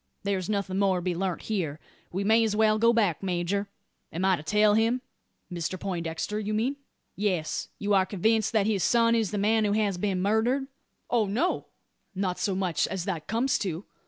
There's nothing more to be learnt here. We may as well go back, major. Am I to tell him?" "Mr Poindexter, you mean?" "Yes. You are convinced that his son is the man who has been murdered?" "Oh, no; not so much as that comes to.